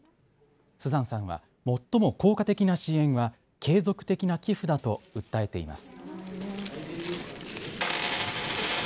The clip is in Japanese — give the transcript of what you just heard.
スザンさんは最も効果的な支援は継続的な寄付だと訴えています。